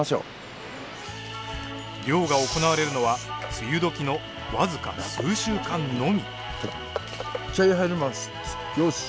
漁が行われるのは梅雨時のわずか数週間のみ。